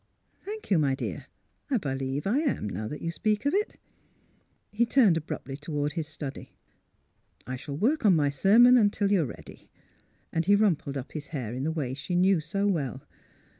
" Thank you, my dear; I believe I am, now that you speak of it." He turned abruptly toward his study. *' I shall work on my sermon till you're ready." And he rumpled up his hair in the way she knew so well.